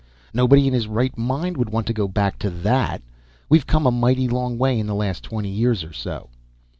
Nobody in his right mind would want to go back to that. We've come a mighty long way in the last twenty years or so."